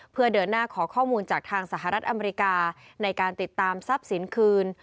เพื่อเดินหน้าขอข้อมูลจากทางสหรัฐอเมริกาในการติดตามทรัพย์สินคืน